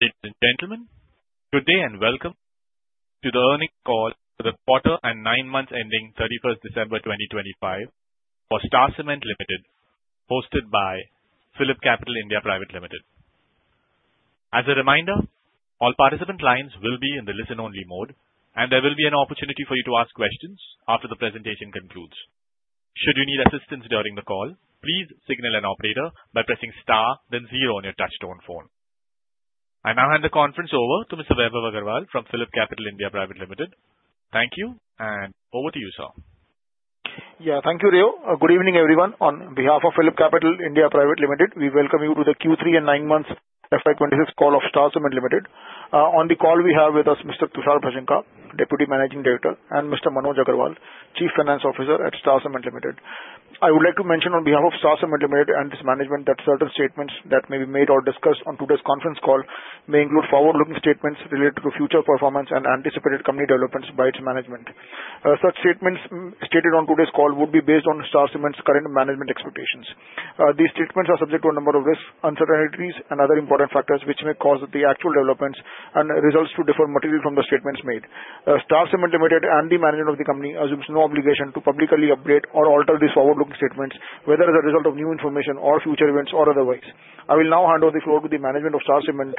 Ladies and gentlemen, good day and welcome to the earnings call for the quarter and nine months ending 31st December 2025 for Star Cement Limited, hosted by PhillipCapital (India) Private Limited. As a reminder, all participant lines will be in the listen-only mode, and there will be an opportunity for you to ask questions after the presentation concludes. Should you need assistance during the call, please signal an operator by pressing star, then zero on your touch-tone phone. I now hand the conference over to Mr. Vaibhav Agarwal from PhillipCapital (India) Private Limited. Thank you, and over to you, sir. Yeah, thank you, Rio. Good evening, everyone. On behalf of PhillipCapital (India) Private Limited, we welcome you to the Q3 and nine months FY26 call of Star Cement Limited. On the call, we have with us Mr. Tushar Bhajanka, Deputy Managing Director, and Mr. Manoj Agarwal, Chief Financial Officer at Star Cement Limited. I would like to mention on behalf of Star Cement Limited and its management that certain statements that may be made or discussed on today's conference call may include forward-looking statements related to future performance and anticipated company developments by its management. Such statements stated on today's call would be based on Star Cement's current management expectations. These statements are subject to a number of risks, uncertainties, and other important factors which may cause the actual developments and results to differ materially from the statements made. Star Cement Limited and the management of the company assumes no obligation to publicly update or alter these forward-looking statements, whether as a result of new information or future events or otherwise. I will now hand over the floor to the management of Star Cement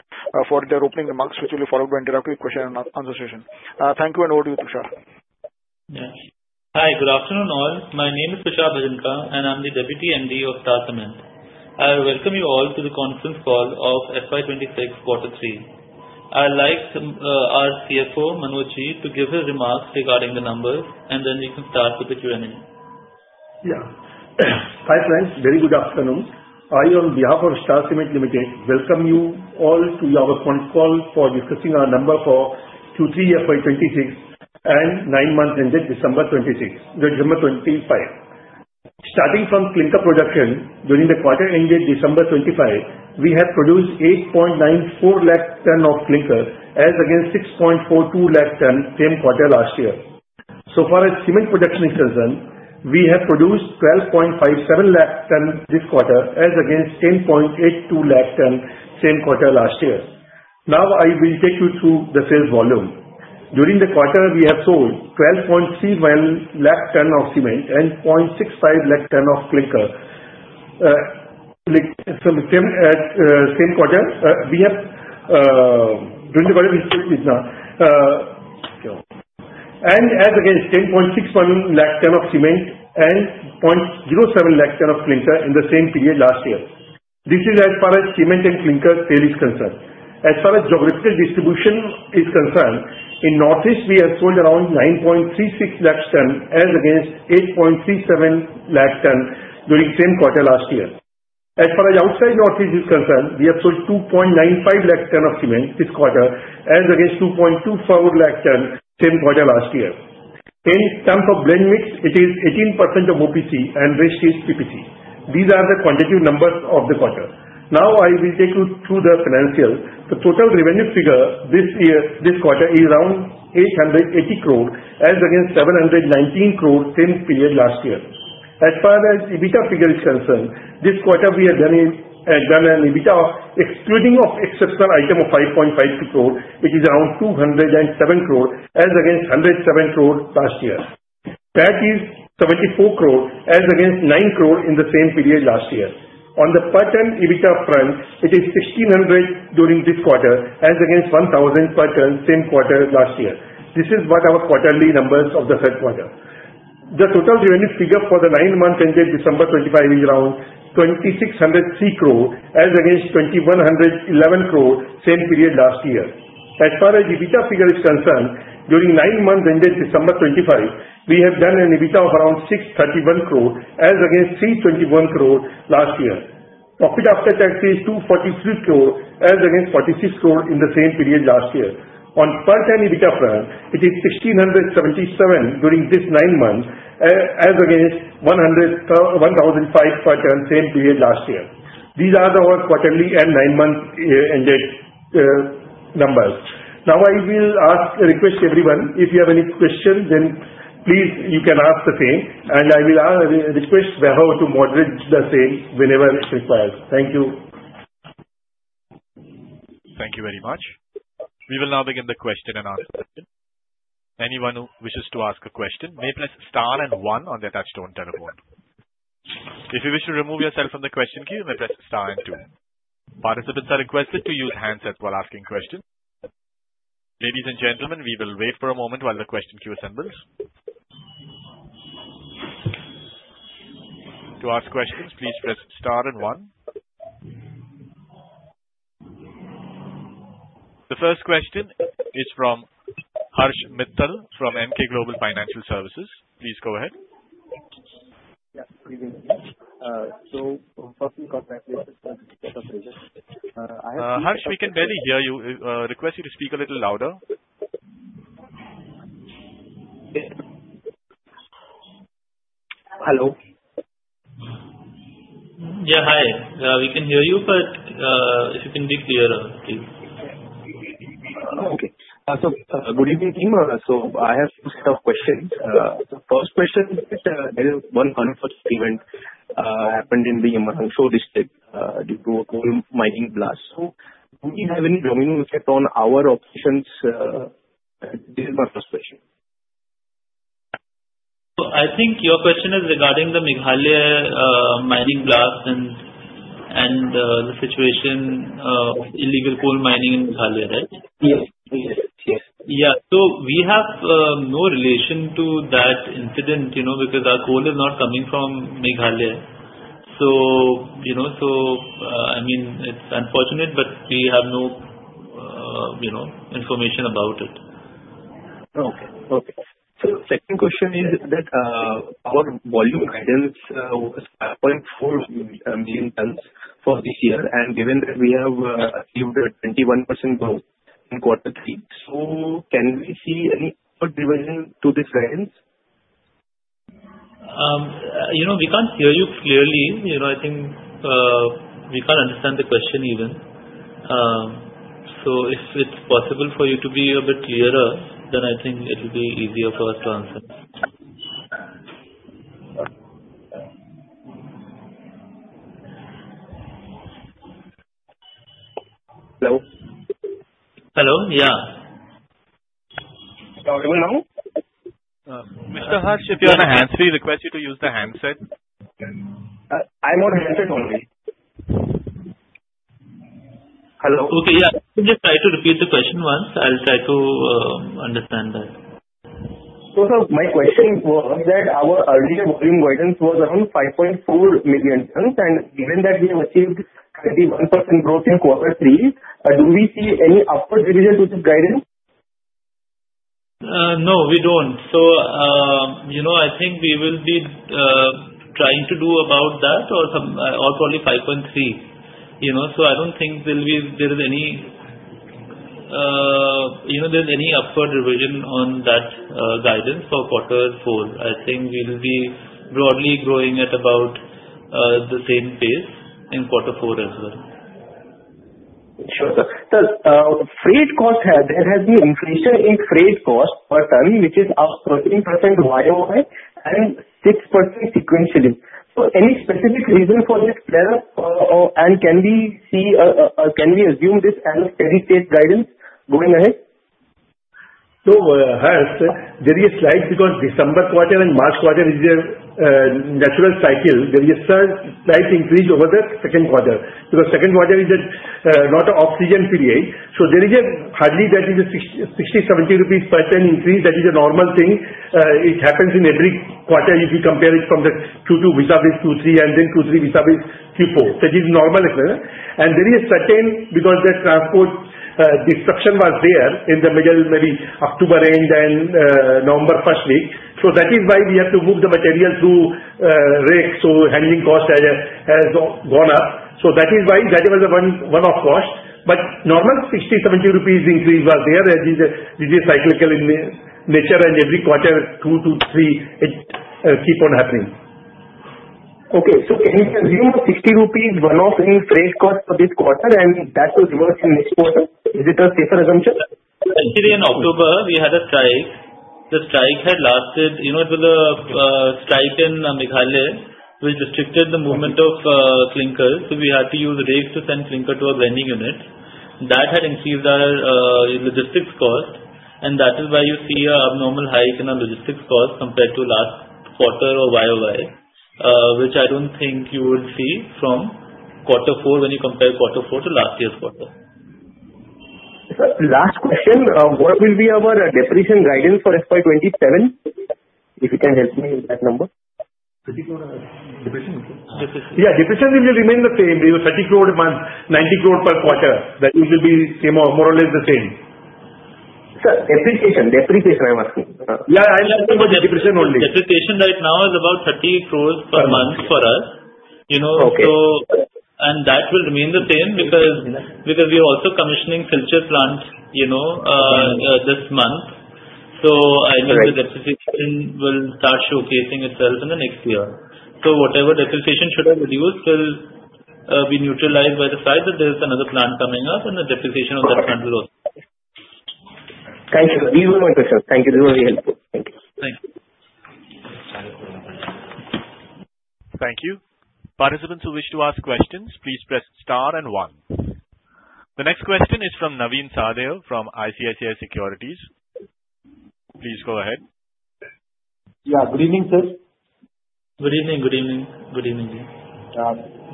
for their opening remarks, which will be followed by an interactive question and answer session. Thank you, and over to you, Tushar. Hi, good afternoon all. My name is Tushar Bhajanka, and I'm the Deputy MD of Star Cement. I welcome you all to the conference call of FY26 quarter three. I'd like our CFO, Manojji, to give his remarks regarding the numbers, and then we can start with the Q&A. Yeah. Hi, friends. Very good afternoon. I, on behalf of Star Cement Limited, welcome you all to our conference call for discussing our numbers for Q3 FY26 and nine months ended December 25. Starting from clinker production, during the quarter ended December 25, we have produced 894,000 tons of clinker as against 642,000 tons same quarter last year. So far as cement production is concerned, we have produced 1,257,000 tons this quarter as against 1,082,000 tons same quarter last year. Now I will take you through the sales volume. During the quarter, we have sold 1,231,000 tons of cement and 65,000 tons of clinker from same quarter. We have during the quarter, we sold and as against 1,061,000 tons of cement and 7,000 tons of clinker in the same period last year. This is as far as cement and clinker sale is concerned. As far as geographical distribution is concerned, in Northeast, we have sold around 936,000 tons as against 837,000 tons during same quarter last year. As far as outside Northeast is concerned, we have sold 295,000 tons of cement this quarter as against 224,000 tons same quarter last year. In terms of blend mix, it is 18% of OPC, and rest is PPC. These are the quantitative numbers of the quarter. Now I will take you through the financial. The total revenue figure this quarter is around 880 crore as against 719 crore same period last year. As far as EBITDA figure is concerned, this quarter, we have done an EBITDA excluding of exceptional item of 5.52 crore, which is around 207 crore as against 107 crore last year. That is 74 crore as against 9 crore in the same period last year. On the per-ton EBITDA front, it is 1,600 during this quarter as against 1,000 per ton same quarter last year. This is what our quarterly numbers of the third quarter. The total revenue figure for the nine months ended December 25 is around 2,603 crore as against 2,111 crore same period last year. As far as EBITDA figure is concerned, during nine months ended December 25, we have done an EBITDA of around 631 crore as against 321 crore last year. Profit after tax is 243 crore as against 46 crore in the same period last year. On per-ton EBITDA front, it is 1,677 during this nine months as against 1,005 per ton same period last year. These are our quarterly and nine-month-ended numbers. Now I will ask request everyone. If you have any question, then please you can ask the same, and I will request Vaibhav to moderate the same whenever it requires. Thank you. Thank you very much. We will now begin the question and answer session. Anyone who wishes to ask a question may press star and one on their touch-tone telephone. If you wish to remove yourself from the question queue, may press star and two. Participants are requested to use handsets while asking questions. Ladies and gentlemen, we will wait for a moment while the question queue assembles. To ask questions, please press star and one. The first question is from Harsh Mittal from Emkay Global Financial Services. Please go ahead. Yes, good evening. Firstly, congratulations for the setup present. Harsh, we can barely hear you. Request you to speak a little louder. Hello. Yeah, hi. We can hear you, but if you can be clearer, please. Okay. So good evening, team. So I have two set of questions. The first question is there is one unexpected event happened in the East Jaintia Hills district due to a coal mining blast. So do we have any domino effect on our operations? This is my first question. I think your question is regarding the Meghalaya mining blast and the situation of illegal coal mining in Meghalaya, right? Yes. Yes. Yes. Yeah. So we have no relation to that incident because our coal is not coming from Meghalaya. So I mean, it's unfortunate, but we have no information about it. Okay. Okay. So second question is that our volume guidance was 5.4 million tons for this year. And given that we have achieved a 21% growth in quarter three, so can we see any further revision to this guidance? We can't hear you clearly. I think we can't understand the question even. So if it's possible for you to be a bit clearer, then I think it will be easier for us to answer. Hello? Hello? Yeah. Audible now? Mr. Harsh, if you're on a hands-free, request you to use the handset. I'm on handset only. Hello? Okay. Yeah. Just try to repeat the question once. I'll try to understand that. My question was that our earlier volume guidance was around 5.4 million tons. Given that we have achieved 21% growth in quarter three, do we see any upward revision to this guidance? No, we don't. So I think we will be trying to do about that or probably 5.3. So I don't think there is any upward revision on that guidance for quarter four. I think we will be broadly growing at about the same pace in quarter four as well. Sure. So freight cost, there has been inflation in freight cost per ton, which is up 13% YoY and 6% sequentially. Any specific reason for this flare-up, and can we assume this as a steady state guidance going ahead? So Harsh, there is a slight because December quarter and March quarter is a natural cycle. There is a slight increase over the second quarter because second quarter is not an on-season period. So there is hardly that is a 60-70 rupees per ton increase. That is a normal thing. It happens in every quarter if you compare it from the Q2 vis-à-vis Q3 and then Q3 vis-à-vis Q4. That is normal expense. And there is a certain because the transport disruption was there in the middle, maybe October end and November first week. So that is why we have to move the material through rakes. So handling cost has gone up. So that is why that was one-off cost. But normal 60-70 rupees increase was there. This is cyclical in nature. And every quarter, Q2, Q3, it keeps on happening. Okay. So can we assume a 60 rupees one-off increase cost for this quarter, and that will reverse in next quarter? Is it a safer assumption? Actually, in October, we had a strike. The strike had lasted. It was a strike in Meghalaya which restricted the movement of clinkers. So we had to use rakes to send clinker to our grinding units. That had increased our logistics cost. And that is why you see an abnormal hike in our logistics cost compared to last quarter or YoY, which I don't think you would see from quarter four when you compare quarter four to last year's quarter. Last question. What will be our depreciation guidance for FY27? If you can help me with that number. 30 crore depreciation? Depreciation. Yeah, depreciation will remain the same. It was 30 crore a month, 90 crore per quarter. That will be more or less the same. Sir, depreciation. Depreciation, I'm asking. Yeah, I'm asking about depreciation only. Depreciation right now is about 30 crore per month for us. That will remain the same because we are also commissioning filter plants this month. I think the depreciation will start showcasing itself in the next year. Whatever depreciation should have reduced will be neutralized by the fact that there's another plant coming up, and the depreciation on that plant will also. Thank you. These were my questions. Thank you. These were very helpful. Thank you. Thank you. Thank you. Participants who wish to ask questions, please press star and one. The next question is from Navin Sahadeo from ICICI Securities. Please go ahead. Yeah. Good evening, sir. Good evening. Good evening. Good evening, Ji.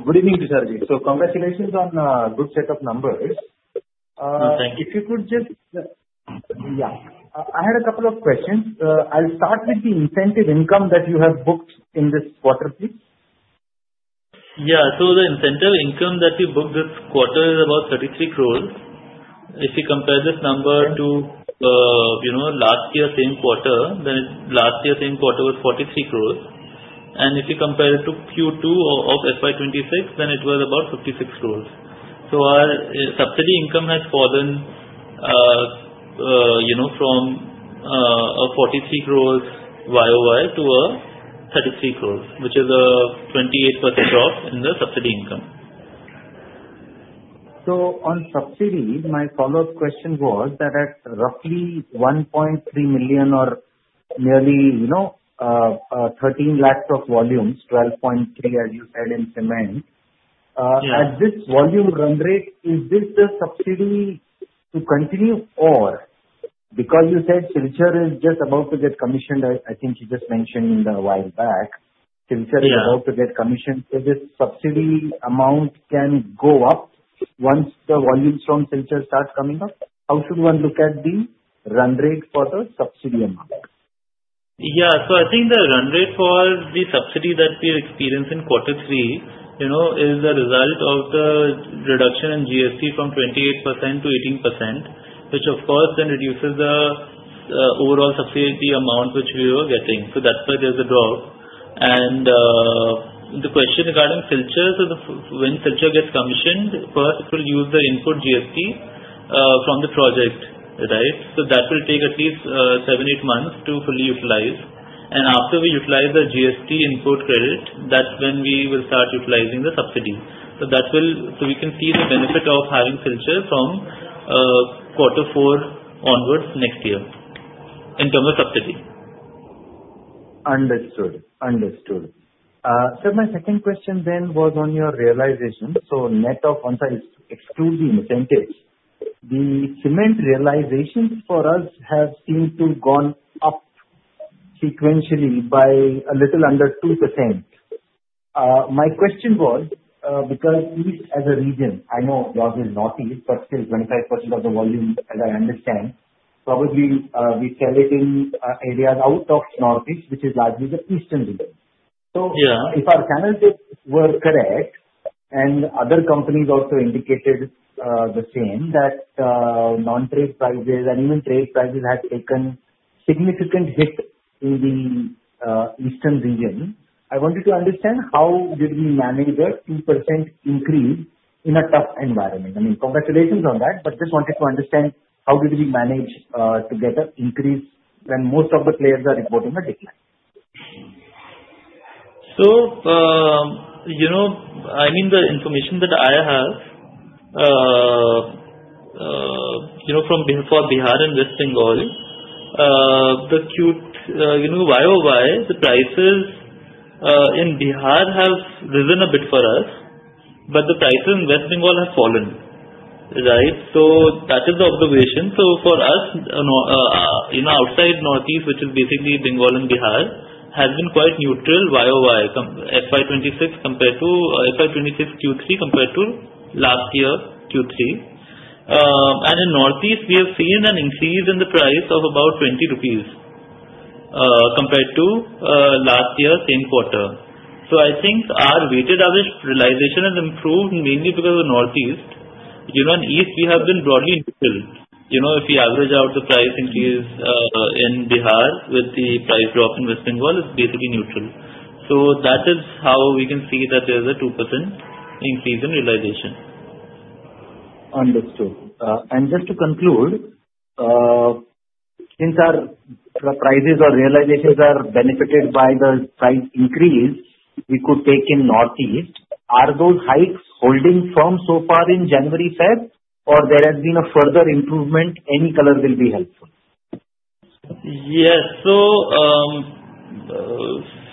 Good evening, Tusharji. Congratulations on a good set of numbers. Thank you. If you could just, yeah. I had a couple of questions. I'll start with the incentive income that you have booked in this quarter, please. Yeah. So the incentive income that we booked this quarter is about 33 crore. If you compare this number to last year's same quarter, then last year's same quarter was 43 crore. And if you compare it to Q2 of FY26, then it was about 56 crore. So our subsidy income has fallen from 43 crore YoY to 33 crore, which is a 28% drop in the subsidy income. So, on subsidies, my follow-up question was that at roughly 1.3 million or nearly 13 lakhs of volumes, 12.3 as you said in cement, at this volume run rate, is this the subsidy to continue or because you said filter is just about to get commissioned? I think you just mentioned a while back, filter is about to get commissioned, so this subsidy amount can go up once the volumes from filter start coming up? How should one look at the run rate for the subsidy amount? Yeah. So I think the run rate for the subsidy that we experienced in quarter three is the result of the reduction in GST from 28% to 18%, which, of course, then reduces the overall subsidy amount which we were getting. So that's why there's a drop. And the question regarding filters, when filter gets commissioned, first, it will use the input GST from the project, right? So that will take at least 7 months -8 months to fully utilize. And after we utilize the GST input credit, that's when we will start utilizing the subsidy. So we can see the benefit of having filter from quarter four onwards next year in terms of subsidy. Understood. Understood. So my second question then was on your realization. So net of once I exclude the incentive, the cement realizations for us have seemed to have gone up sequentially by a little under 2%. My question was because East as a region I know yours is northeast, but still 25% of the volume, as I understand, probably we sell it in areas out of northeast, which is largely the eastern region. So if our channels were correct and other companies also indicated the same, that non-trade prices and even trade prices had taken significant hit in the eastern region, I wanted to understand how did we manage a 2% increase in a tough environment? I mean, congratulations on that, but just wanted to understand how did we manage to get an increase when most of the players are reporting a decline? So I mean, the information that I have from for Bihar and West Bengal, the Q2 YoY, the prices in Bihar have risen a bit for us, but the prices in West Bengal have fallen, right? So that is the observation. So for us, outside Northeast, which is basically Bengal and Bihar, has been quite neutral YoY, FY26 Q3 compared to last year Q3. And in Northeast, we have seen an increase in the price of about 20 rupees compared to last year's same quarter. So I think our weighted average realization has improved mainly because of Northeast. In East, we have been broadly neutral. If you average out the price increase in Bihar with the price drop in West Bengal, it's basically neutral. So that is how we can see that there's a 2% increase in realization. Understood. And just to conclude, since our prices or realizations are benefited by the price increase we could take in Northeast, are those hikes holding firm so far in January/February, or there has been a further improvement? Any color will be helpful. Yes. So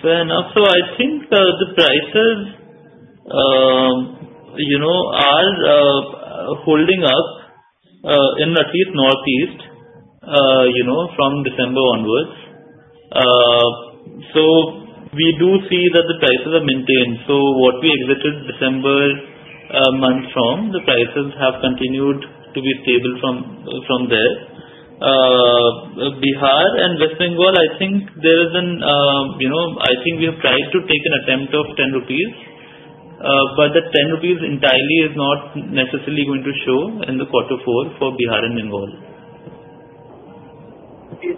fair enough. So I think the prices are holding up at least Northeast from December onwards. So we do see that the prices are maintained. So what we exited December month from, the prices have continued to be stable from there. Bihar and West Bengal, I think there is an I think we have tried to take an attempt of 10 rupees, but that 10 rupees entirely is not necessarily going to show in the quarter four for Bihar and Bengal.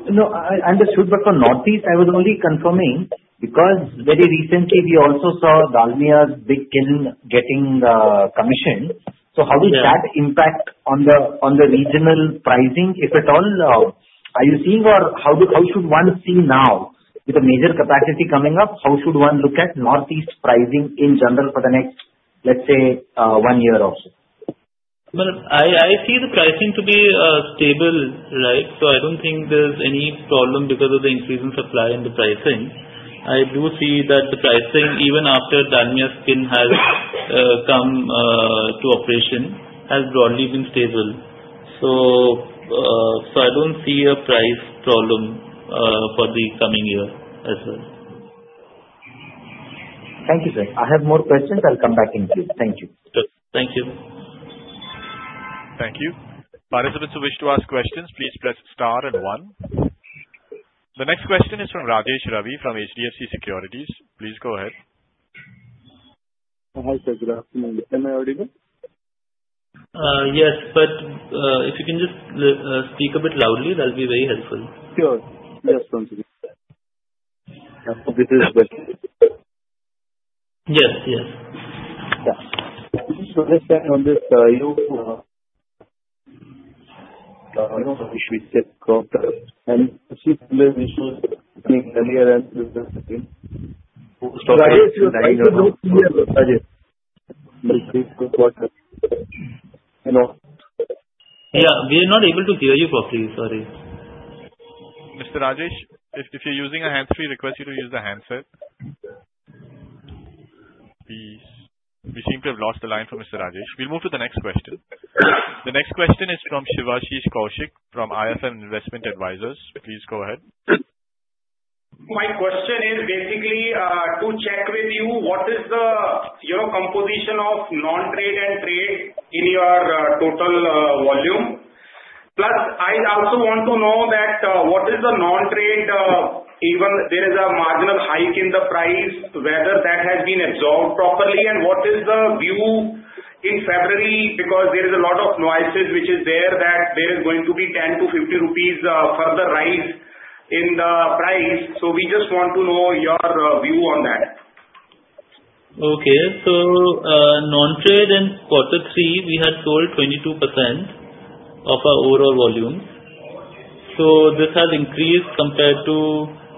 No. Understood. But for Northeast, I was only confirming because very recently, we also saw Dalmia's big kiln getting commissioned. So how did that impact on the regional pricing, if at all? Are you seeing or how should one see now with the major capacity coming up, how should one look at Northeast pricing in general for the next, let's say, one year or so? Well, I see the pricing to be stable, right? So I don't think there's any problem because of the increase in supply and the pricing. I do see that the pricing, even after Dalmia's kiln has come to operation, has broadly been stable. So I don't see a price problem for the coming year as well. Thank you, sir. I have more questions. I'll come back in, please. Thank you. Sure. Thank you. Thank you. Participants who wish to ask questions, please press star and one. The next question is from Rajesh Ravi from HDFC Securities. Please go ahead. Hi, sir. Good afternoon. Can I audible? Yes. But if you can just speak a bit loudly, that'll be very helpful. Sure. Yes, sir. This is better. Yes. Yes. Yeah. So just on this, you wish we check and see if there's issues earlier and with the. Rajesh, you're not clear. Rajesh, please go quiet. Yeah. We are not able to hear you properly. Sorry. Mr. Rajesh, if you're using a hands-free, request you to use the handset. Please. We seem to have lost the line for Mr. Rajesh. We'll move to the next question. The next question is from Shivashish Kaushik from IFM Investment Advisors. Please go ahead. My question is basically to check with you what is the composition of non-trade and trade in your total volume. Plus, I also want to know that what is the non-trade even there is a marginal hike in the price, whether that has been absorbed properly, and what is the view in February because there is a lot of noises which is there that there is going to be 10-50 rupees further rise in the price. So we just want to know your view on that. Okay. So non-trade in quarter three, we had sold 22% of our overall volume. So this has increased compared to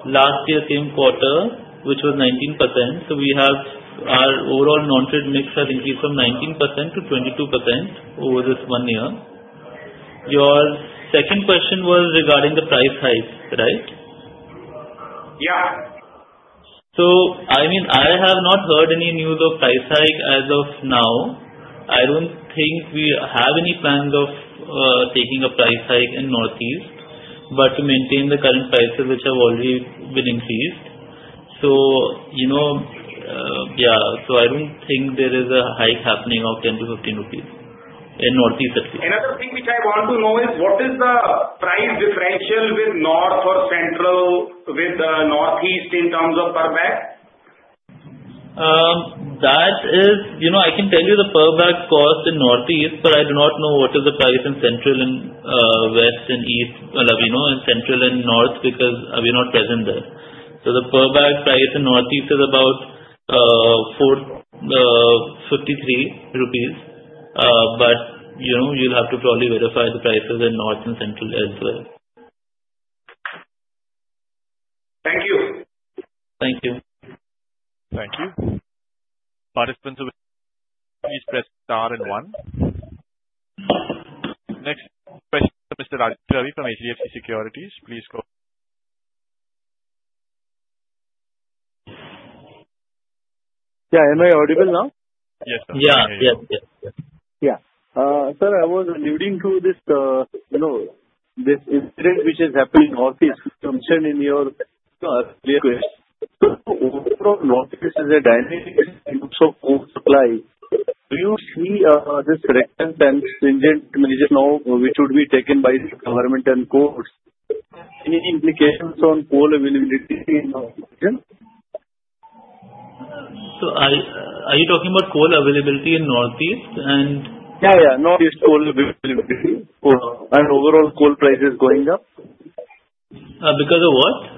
last year's same quarter, which was 19%. So our overall non-trade mix has increased from 19% to 22% over this one year. Your second question was regarding the price hike, right? Yeah. So I mean, I have not heard any news of price hike as of now. I don't think we have any plans of taking a price hike in Northeast but to maintain the current prices which have already been increased. So yeah. So I don't think there is a hike happening of 10-15 rupees in Northeast, at least. Another thing which I want to know is what is the price differential with North or Central with Northeast in terms of per bag? I can tell you the per bag cost in Northeast, but I do not know what is the price in Central, in West, and East I mean, Central and North because we are not present there. So the per bag price in Northeast is about 53 rupees. But you'll have to probably verify the prices in North and Central elsewhere. Thank you. Thank you. Thank you. Participants who wish to please press star and one. Next question is for Mr. Rajesh Ravi from HDFC Securities. Please go. Yeah. Am I audible now? Yes, sir. Yeah. Yes. Yes. Yes. Yeah. Sir, I was alluding to this incident which is happening in Northeast concerning your clinker question. So overall, Northeast is a dynamic user of coal supply. Do you see this reduction and stringent measures now which would be taken by the government and courts? Any implications on coal availability in Northeast? Are you talking about coal availability in Northeast and? Yeah. Yeah. Northeast coal availability and overall coal prices going up? Because of what?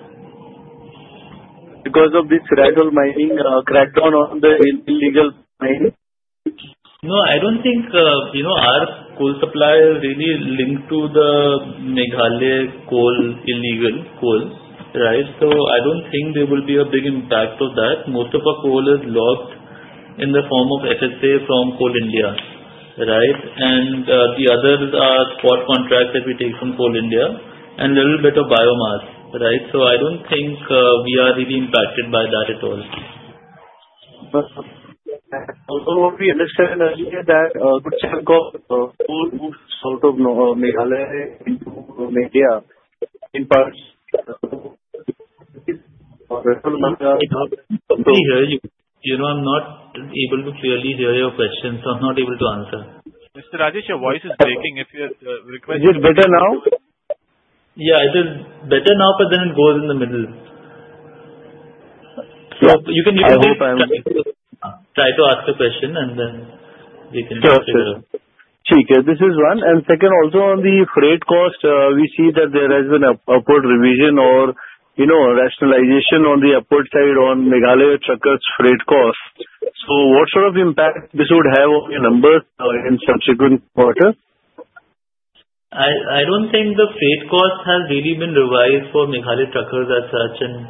Because of this rat-hole mining crackdown on the illegal mine. No. I don't think our coal supply is really linked to the Meghalaya coal illegal coal, right? So I don't think there will be a big impact of that. Most of our coal is locked in the form of FSA from Coal India, right? And the others are spot contracts that we take from Coal India and a little bit of biomass, right? So I don't think we are really impacted by that at all. What we understand is that a good chunk of coal moves out of Meghalaya into India in parts. I can't hear you. I'm not able to clearly hear your question. I'm not able to answer. Mr. Rajesh, your voice is breaking. If you request your. Is it better now? Yeah. It is better now, but then it goes in the middle. So you can take a second. I will try. Try to ask a question, and then we can figure out. Sure. Sure. Sure. Thank you. This is one. And second, also on the freight cost, we see that there has been an upward revision or rationalization on the upward side on Meghalaya truckers' freight cost. So what sort of impact this would have on your numbers in subsequent quarters? I don't think the freight cost has really been revised for Meghalaya truckers as such. And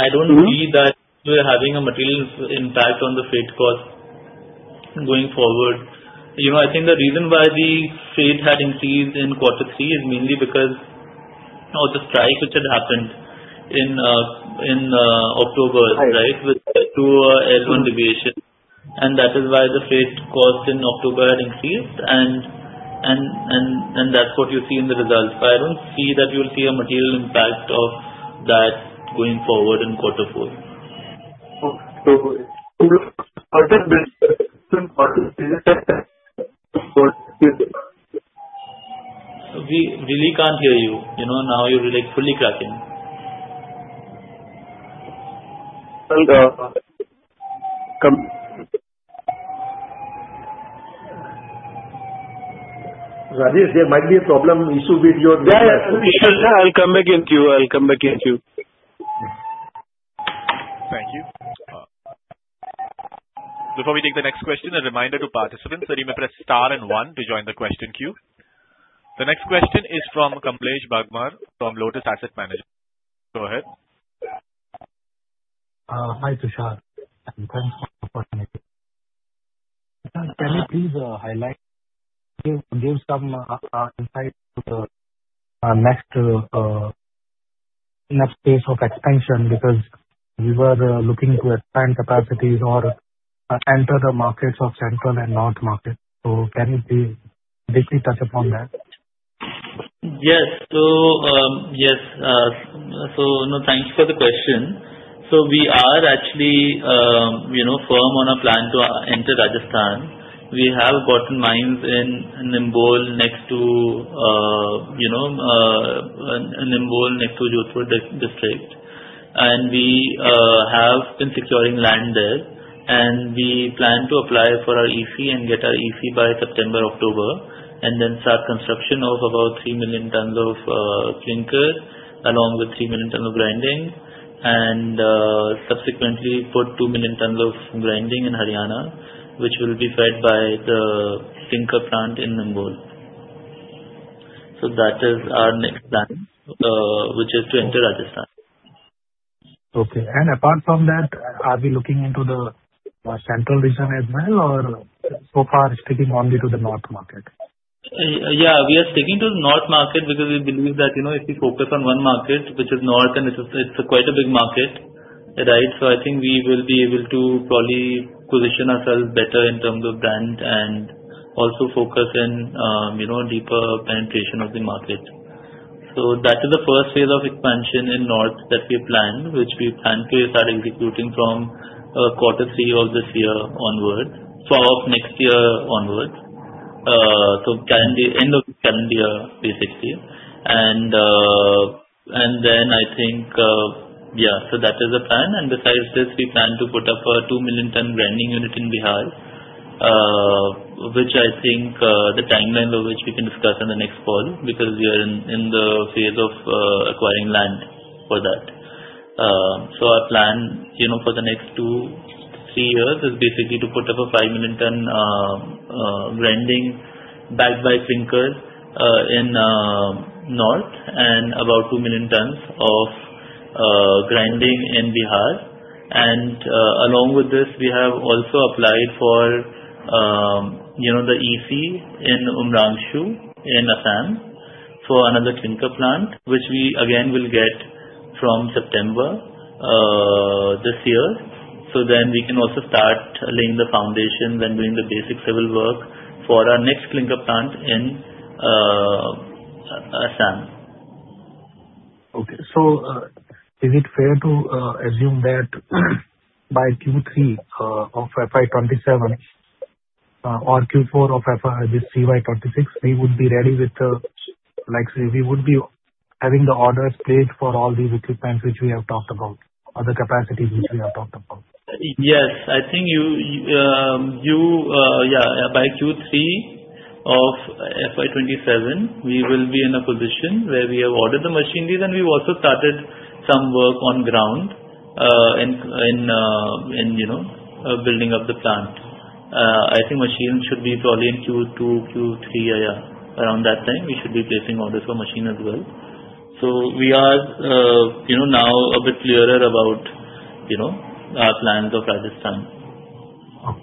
I don't see that we're having a material impact on the freight cost going forward. I think the reason why the freight had increased in quarter three is mainly because of the strike which had happened in October, right, with the 2L1 deviation. And that is why the freight cost in October had increased. And that's what you see in the results. But I don't see that you'll see a material impact of that going forward in quarter four. What is the reason for this? We really can't hear you. Now you're fully cracking. Well, Rajesh, there might be a problem issue with your. Yeah. I'll come back to you. Thank you. Before we take the next question, a reminder to participants, sir, you may press star and one to join the question queue. The next question is from Kamlesh Bagmar from Lotus Asset Management. Go ahead. Hi, Tushar. Thanks for joining me. Can you please highlight, give some insight to the next phase of expansion because we were looking to expand capacities or enter the markets of Central and North markets. Can you please briefly touch upon that? Yes. So yes. So no, thanks for the question. We are actually firm on our plan to enter Rajasthan. We have gotten mines in Nimbol next to Nimbol next to Jodhpur district. And we have been securing land there. And we plan to apply for our EC and get our EC by September, October, and then start construction of about 3 million tons of clinker along with 3 million tons of grinding and subsequently put 2 million tons of grinding in Haryana, which will be fed by the clinker plant in Nimbol. So that is our next plan, which is to enter Rajasthan. Okay. Apart from that, are we looking into the central region as well, or so far sticking only to the north market? Yeah. We are sticking to the North market because we believe that if we focus on one market, which is North, and it's quite a big market, right, so I think we will be able to probably position ourselves better in terms of brand and also focus in deeper penetration of the market. So that is the first phase of expansion in North that we planned, which we plan to start executing from quarter three of this year onwards so of next year onwards so end of calendar year, basically. And then I think yeah. So that is the plan. And besides this, we plan to put up a 2 million ton grinding unit in Bihar, which I think the timeline of which we can discuss in the next call because we are in the phase of acquiring land for that. So our plan for the next 2-3 years is basically to put up a 5 million ton grinding backed by clinker in north and about 2 million tons of grinding in Bihar. And along with this, we have also applied for the EC in Umrangso in Assam for another clinker plant, which we, again, will get from September this year. So then we can also start laying the foundations and doing the basic civil work for our next clinker plant in Assam. Okay. So is it fair to assume that by Q3 of FY27 or Q4 of this CY26, we would be ready with the orders placed for all these equipments which we have talked about, other capacities which we have talked about? Yes. I think, yeah. By Q3 of FY27, we will be in a position where we have ordered the machineries, and we've also started some work on ground in building up the plant. I think machines should be probably in Q2, Q3, yeah, yeah, around that time. We should be placing orders for machine as well. So we are now a bit clearer about our plans of Rajasthan. Okay.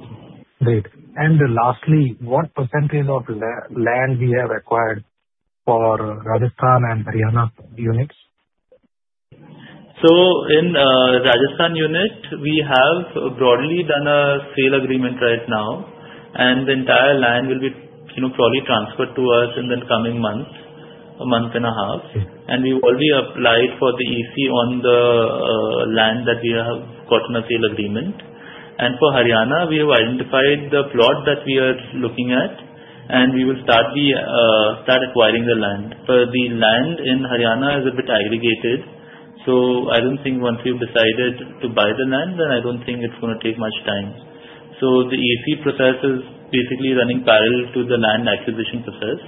Great. And lastly, what percentage of land we have acquired for Rajasthan and Haryana units? In the Rajasthan unit, we have broadly done a sale agreement right now. The entire land will be probably transferred to us in the coming month, a month and a half. We've already applied for the EC on the land that we have gotten a sale agreement. For Haryana, we have identified the plot that we are looking at, and we will start acquiring the land. But the land in Haryana is a bit aggregated. So I don't think once we've decided to buy the land, then I don't think it's going to take much time. The EC process is basically running parallel to the land acquisition process.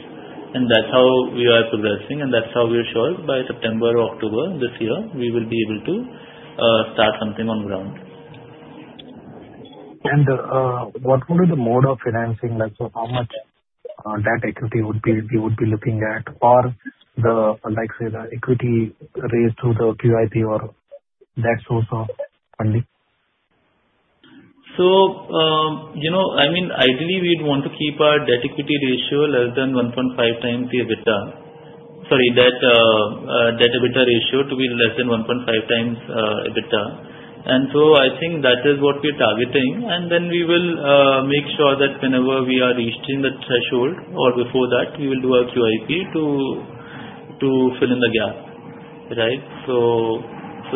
That's how we are progressing. That's how we are sure by September or October this year, we will be able to start something on ground. What would be the mode of financing? How much debt equity would be looking at or, say, the equity raised through the QIP or that source of funding? So I mean, ideally, we'd want to keep our debt equity ratio less than 1.5x the EBITDA—sorry, debt EBITDA ratio to be less than 1.5x EBITDA. And then we will make sure that whenever we are reaching the threshold or before that, we will do our QIP to fill in the gap, right? So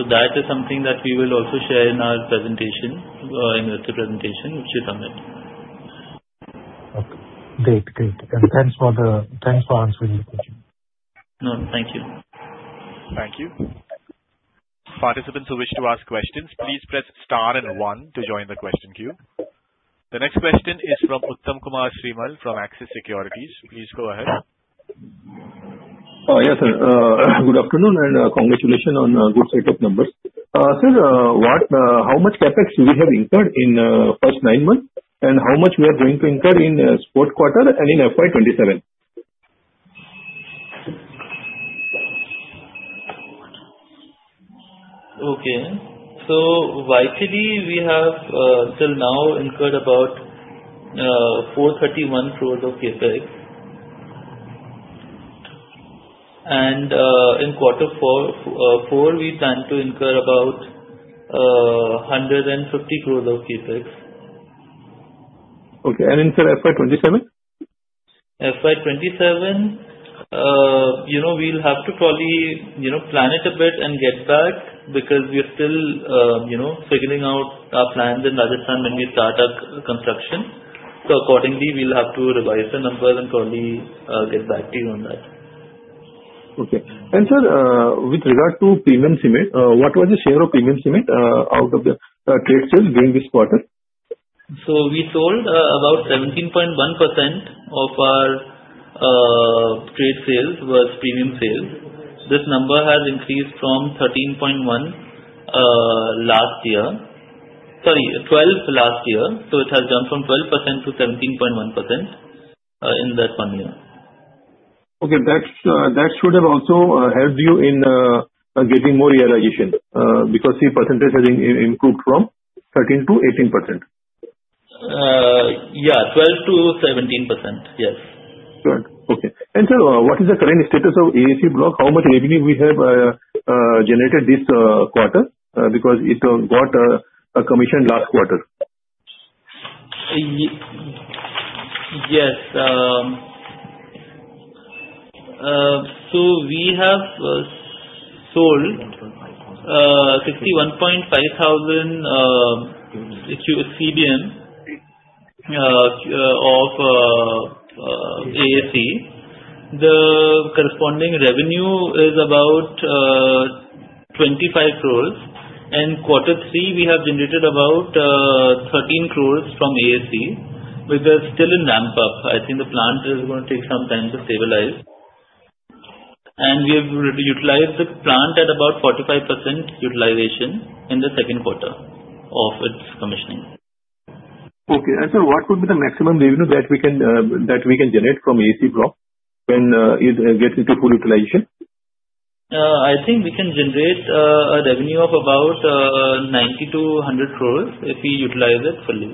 that is something that we will also share in our investor presentation, which is on it. Okay. Great. Great. Thanks for answering the question. No. Thank you. Thank you. Participants who wish to ask questions, please press star and one to join the question queue. The next question is from Uttam Kumar Srimal from Axis Securities. Please go ahead. Oh, yes, sir. Good afternoon and congratulations on a good set of numbers. Sir, how much CapEx do we have incurred in the first nine months and how much we are going to incur in the fourth quarter and in FY2027? Okay. So Vichely, we have till now incurred about 431 crore of CapEx. In quarter four, we plan to incur about 150 crore of CapEx. Okay. And in, sir, FY27? FY27, we'll have to probably plan it a bit and get back because we are still figuring out our plans in Rajasthan when we start our construction. So accordingly, we'll have to revise the numbers and probably get back to you on that. Okay. And, sir, with regard to payment limit, what was the share of payment limit out of the trade sales during this quarter? So we sold about 17.1% of our trade sales was premium sales. This number has increased from 13.1 last year sorry, 12 last year. So it has jumped from 12% to 17.1% in that one year. Okay. That should have also helped you in getting more realization because the percentage has improved from 13%-18%. Yeah. 12%-17%. Yes. Good. Okay. And, sir, what is the current status of AAC Block? How much revenue we have generated this quarter because it got commissioned last quarter? Yes. We have sold 61,500 CBM of AAC. The corresponding revenue is about 25 crore. In quarter three, we have generated about 13 crore from AAC, which is still in ramp-up. I think the plant is going to take some time to stabilize. We have utilized the plant at about 45% utilization in the second quarter of its commissioning. Okay. And, sir, what would be the maximum revenue that we can generate from AAC Block when it gets into full utilization? I think we can generate a revenue of about 90 crore-100 crore if we utilize it fully.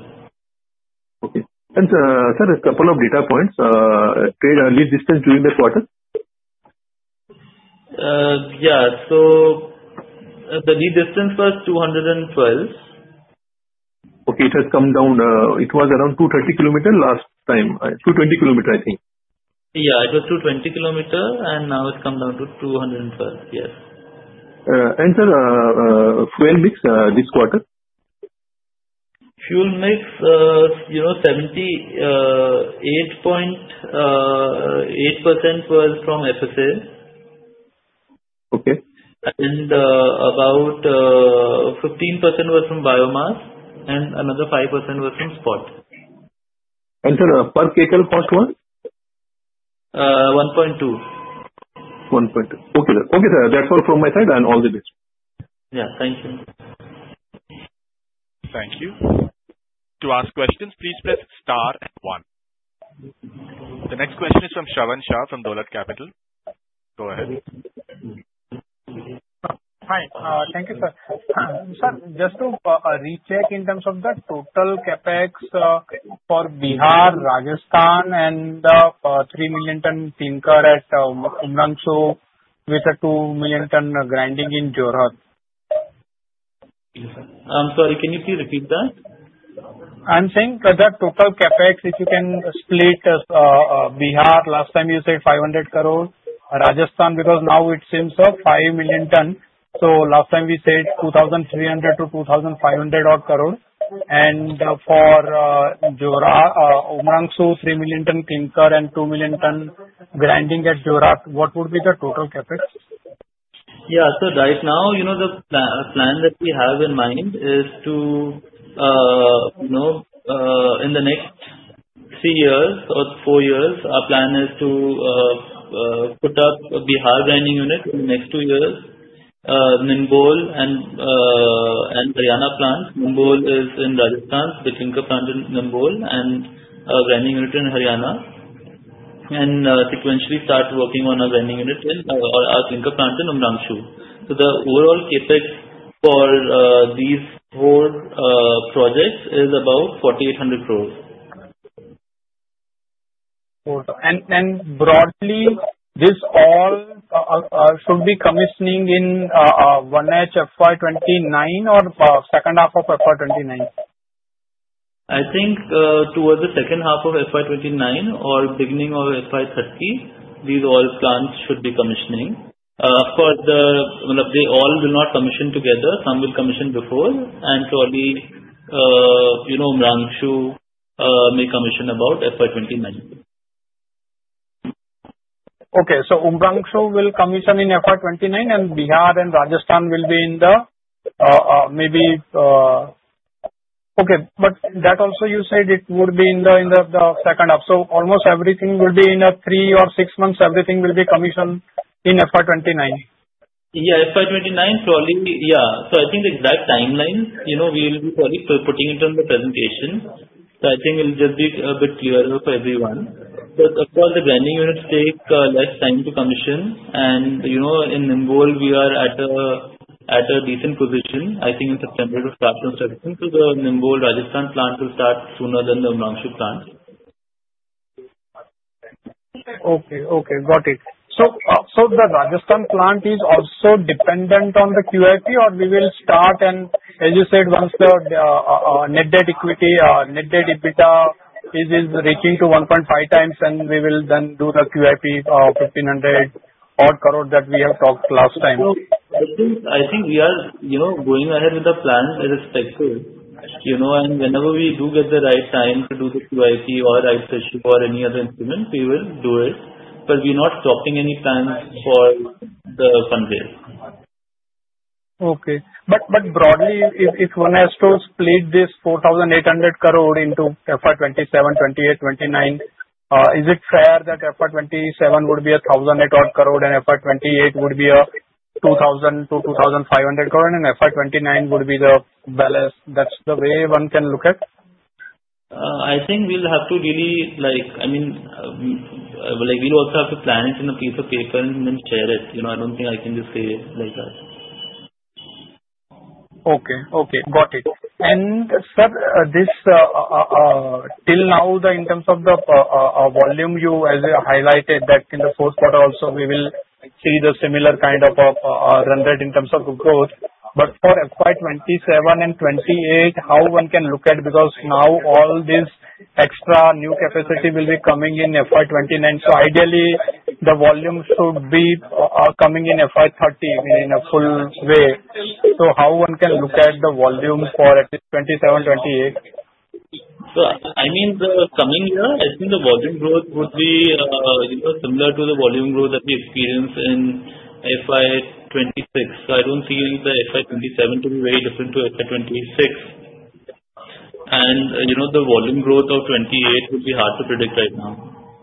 Okay. And, sir, a couple of data points. Lead distance during the quarter? Yeah. The lead distance was 212 km. Okay. It has come down, it was around 230 km last time, 220 km, I think. Yeah. It was 220 km, and now it's come down to 212 km. Yes. Sir, fuel mix this quarter? Fuel mix, 78.8% was from FSA. About 15% was from biomass, and another 5% was from spot. Sir, per Kcal cost was? 1.2. Okay, sir. Okay, sir. That's all from my side. All the best. Yeah. Thank you. Thank you. To ask questions, please press star and one. The next question is from Shravan Shah from Dolat Capital. Go ahead. Hi. Thank you, sir. Sir, just to recheck in terms of the total CapEx for Bihar, Rajasthan, and the 3 million ton clinker at Umrangso with the 2 million ton grinding in Jorhat. Yes, sir. I'm sorry. Can you please repeat that? I'm saying the total CapEx, if you can split Bihar, last time you said 500 crore, Rajasthan because now it seems 5 million tons. So last time we said 2,300 crore-2,500 crore-odd. And for Umrangso, 3 million tons clinker and 2 million tons grinding at Jorhat, what would be the total CapEx? Yeah. So right now, the plan that we have in mind is to in the next three years or four years, our plan is to put up Bihar grinding unit in the next two years, Nimbol and Haryana plants. Nimbol is in Rajasthan, the clinker plant in Nimbol, and a grinding unit in Haryana, and sequentially start working on a grinding unit or a clinker plant in Umrangso. So the overall CapEx for these four projects is about INR 4,800 crores. Okay. Broadly, this all should be commissioning in one-half of FY29 or second half of FY29? I think towards the second half of FY2029 or beginning of FY2030, these all plants should be commissioning. Of course, I mean, they all will not commission together. Some will commission before. And probably Umrangso may commission about FY2029. Okay. So Umrangso will commission in FY29, and Bihar and Rajasthan will be in the maybe okay. But that also you said it would be in the second half. So almost everything will be in 3 or 6 months, everything will be commissioned in FY29? Yeah. FY29, probably yeah. So I think the exact timeline, we'll be probably putting it in the presentation. So I think it'll just be a bit clearer for everyone. But of course, the grinding units take less time to commission. And in Nimbol, we are at a decent position, I think, in September to start construction. So the Nimbol, Rajasthan plant will start sooner than the Umrangso plant. Got it. So the Rajasthan plant is also dependent on the QIP, or we will start and as you said, once the net debt equity, net debt EBITDA is reaching to 1.5x, then we will then do the QIP of 1,500-odd crore that we have talked last time? I think we are going ahead with the plans as expected. Whenever we do get the right time to do the QIP or right threshold for any other instrument, we will do it. We're not stopping any plans for the fundraise. Okay. But broadly, if one has to split this 4,800 crore into FY 2027, 2028, 2029, is it fair that FY 2027 would be 1,000-odd crore and FY 2028 would be 2,000-2,500 crore, and FY 2029 would be the balance? That's the way one can look at? I think we'll have to really I mean, we'll also have to plan it in a piece of paper and then share it. I don't think I can just say it like that. Okay. Okay. Got it. And, sir, till now, in terms of the volume, as you highlighted that in the fourth quarter, also, we will see the similar kind of a run rate in terms of growth. But for FY27 and FY28, how one can look at because now all this extra new capacity will be coming in FY29. So ideally, the volume should be coming in FY30 in a full way. So how one can look at the volume for at least 27, 28? I mean, coming year, I think the volume growth would be similar to the volume growth that we experienced in FY26. I don't see the FY27 to be very different to FY26. The volume growth of 28 would be hard to predict right now.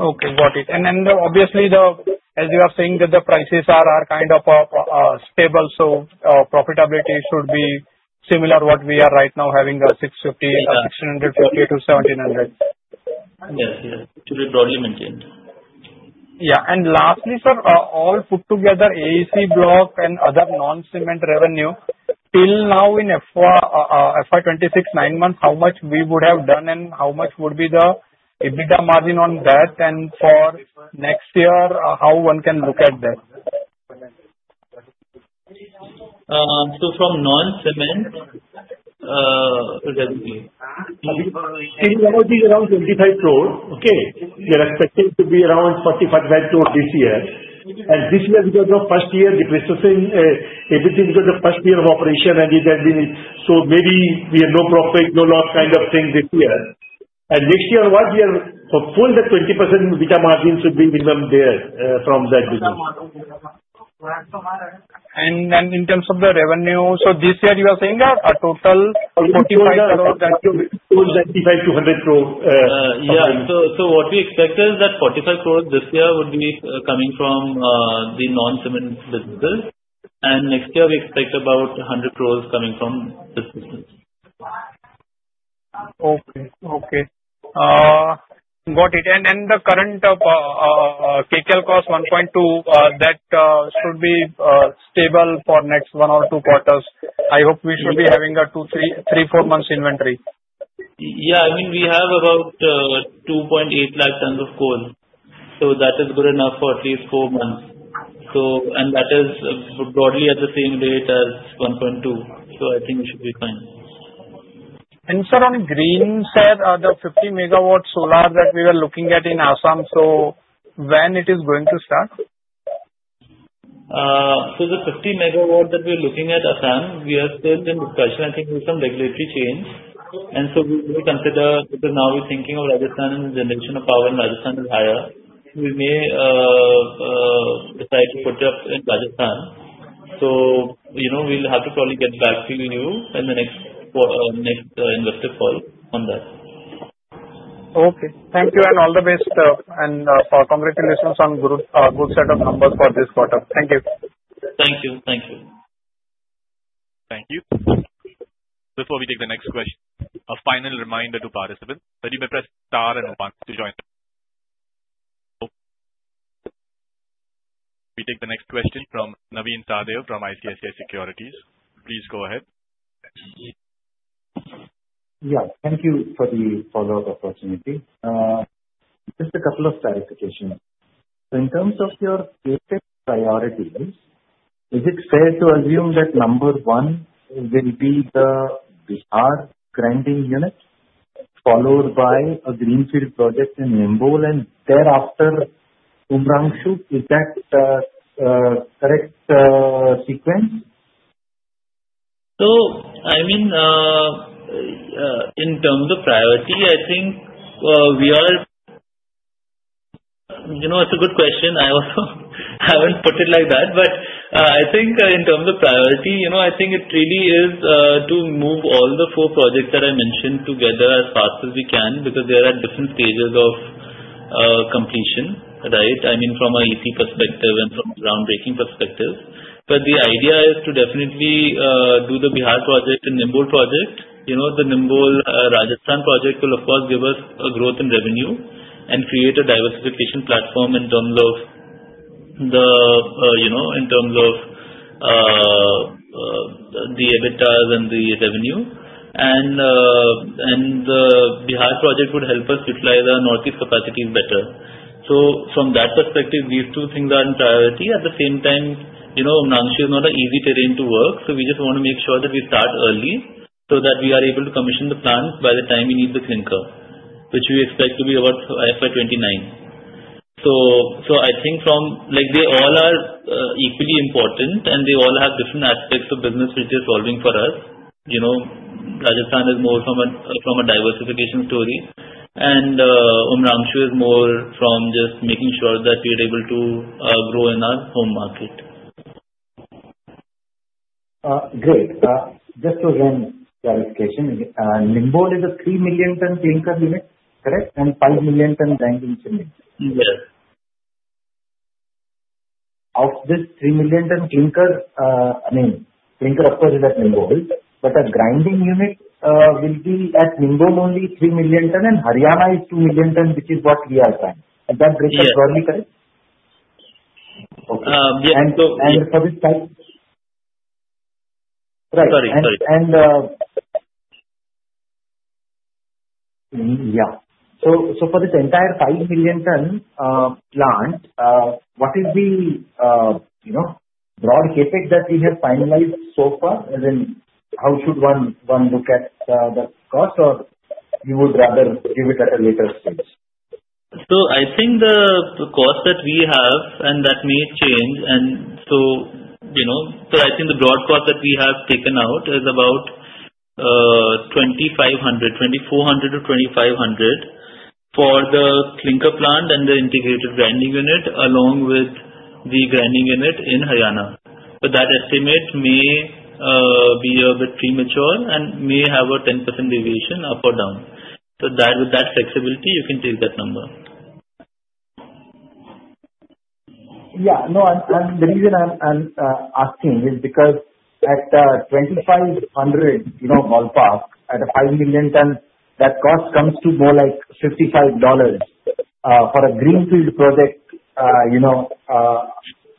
Okay. Got it. And then obviously, as you are saying, the prices are kind of stable. So profitability should be similar to what we are right now having 650-1,700. Yes. Yes. It should be broadly maintained. Yeah. And lastly, sir, all put together, AAC Block and other non-cement revenue, till now in FY26, nine months, how much we would have done and how much would be the EBITDA margin on that? And for next year, how one can look at that? From non-cement revenue. Till now, it is around INR 25 crore. Okay? We are expecting to be around INR 45-odd crore this year. And this year, because of first year, the processing EBITDA because of first year of operation, and it has been so maybe we have no profit, no loss kind of thing this year. And next year, onwards, we are hopeful that 20% EBITDA margin should be minimum there from that business. In terms of the revenue, so this year, you are saying a total 45 crore that you will. Towards INR 95 crore-INR 100 crore revenue. Yeah. What we expect is that 45 crore this year would be coming from the non-cement businesses. Next year, we expect about 100 crore coming from this business. Okay. Okay. Got it. And then the current Kcal cost, 1.2, that should be stable for next 1 or 2 quarters. I hope we should be having a 3 months or 4 months inventory. Yeah. I mean, we have about 280,000 tons of coal. So that is good enough for at least four months. And that is broadly at the same rate as 1.2. So I think it should be fine. Sir, on green, sir, the 50-MW solar that we are looking at in Assam, so when it is going to start? So the 50-MW that we are looking at Assam, we are still in discussion, I think, with some regulatory change. And so we may consider because now we're thinking of Rajasthan and the generation of power in Rajasthan is higher. We may decide to put it up in Rajasthan. So we'll have to probably get back to you in the next investor call on that. Okay. Thank you and all the best. Congratulations on a good set of numbers for this quarter. Thank you. Thank you. Thank you. Thank you. Before we take the next question, a final reminder to participants. Please press star and one to join. We take the next question from Navin Sahadeo from ICICI Securities. Please go ahead. Yeah. Thank you for the follow-up opportunity. Just a couple of clarifications. So in terms of your trade priorities, is it fair to assume that number one will be the Bihar grinding unit followed by a greenfield project in Nimbol and thereafter Umrangso? Is that the correct sequence? So I mean, in terms of priority, I think we are. It's a good question. I also haven't put it like that. But I think in terms of priority, I think it really is to move all the four projects that I mentioned together as fast as we can because they are at different stages of completion, right? I mean, from an EC perspective and from a groundbreaking perspective. But the idea is to definitely do the Bihar project and Nimbol project. The Nimbol, Rajasthan project will, of course, give us growth in revenue and create a diversification platform in terms of the in terms of the EBITDA and the revenue. And the Bihar project would help us utilize our Northeast capacities better. So from that perspective, these two things are in priority. At the same time, Umrangso is not an easy terrain to work. So we just want to make sure that we start early so that we are able to commission the plants by the time we need the clinker, which we expect to be about FY29. So I think they all are equally important, and they all have different aspects of business which they're solving for us. Rajasthan is more from a diversification story, and Umrangso is more from just making sure that we are able to grow in our home market. Great. Just for clarification, Nimbol is a three-million-ton clinker unit, correct? And five-million-ton grinding cement? Yes. Of this 3 million tons clinker, I mean, clinker, of course, is at Nimbol. But a grinding unit will be at Nimbol only 3 million tons, and Haryana is 2 million tons, which is what we are trying. Is that breakup broadly correct? Yes. Okay. And for this right? Sorry. Sorry. Yeah. For this entire 5 million ton plant, what is the broad CapEx that we have finalized so far? As in, how should one look at the cost, or you would rather give it at a later stage? So I think the cost that we have and that may change. So I think the broad cost that we have taken out is about 2,400-2,500 for the clinker plant and the integrated grinding unit along with the grinding unit in Haryana. But that estimate may be a bit premature and may have a 10% deviation up or down. With that flexibility, you can take that number. Yeah. No. The reason I'm asking is because at 2,500 ballpark, at a 5 million ton, that cost comes to more like $55. For a greenfield project,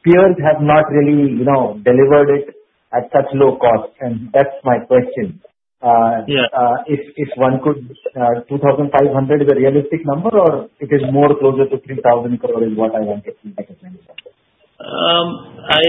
peers have not really delivered it at such low cost. And that's my question. If one could 2,500 is a realistic number, or it is more closer to 3,000 crore is what I want to make sense of? I